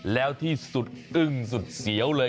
แล้วที่สุดอึ้งสุดเสียวเลย